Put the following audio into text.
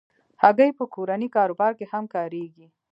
هګۍ په کورني کاروبار کې هم کارېږي.